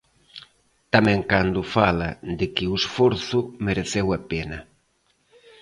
Tamén cando fala de que o esforzo mereceu a pena.